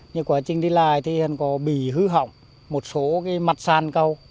nhưng quá trình đi lại thì hẳn có bị hư hỏng một số cái mặt sàn cầu